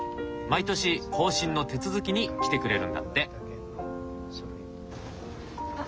毎年更新の手続きに来てくれるんだって。